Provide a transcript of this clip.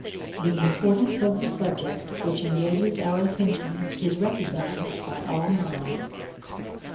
The importance of the subject which engages our attention is recognized by all minds.